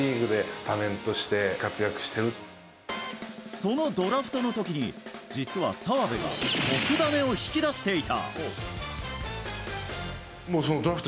そのドラフトの時に実は澤部が特ダネを引き出していた。